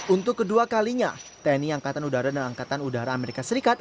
untuk kedua kalinya tni angkatan udara dan angkatan udara amerika serikat